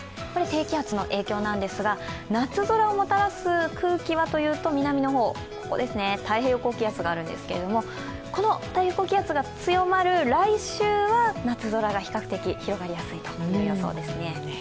低気圧の影響なんですが、夏空をもたらす空気はというと南の方、太平洋高気圧があるんですけども、この太平洋高気圧が強まる来週は夏空が比較的広がりやすいという予想ですね。